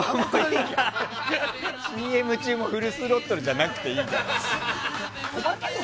ＣＭ中もフルスロットルじゃなくていいから。